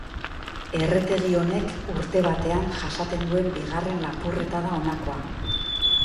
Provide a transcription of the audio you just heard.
Erretegi honek urte batean jasaten duen bigarren lapurreta da honakoa.